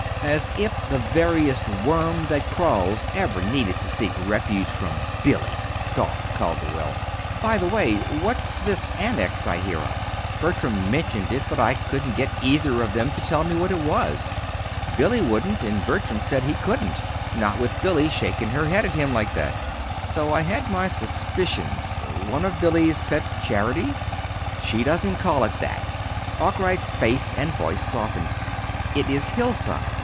"As if the veriest worm that crawls ever needed to seek refuge from Billy!" scoffed Calderwell. "By the way, what's this Annex I hear of? Bertram mentioned it, but I couldn't get either of them to tell what it was. Billy wouldn't, and Bertram said he couldn't not with Billy shaking her head at him like that. So I had my suspicions. One of Billy's pet charities?" "She doesn't call it that." Arkwright's face and voice softened. "It is Hillside.